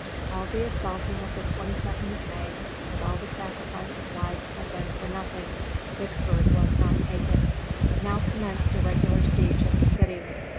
All the assaulting of the 22d of May and all the sacrifice of life had been for nothing. Vicksburg was not taken. Now commenced the regular siege of the city.